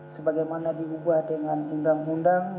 sebagaimana diubah dengan uu dua puluh dua ribu satu